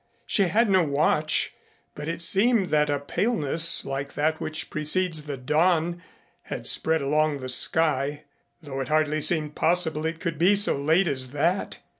She had no watch, but it seemed that a paleness like that which precedes the dawn had spread along the sky though it hardly seemed possible it could be so late as that.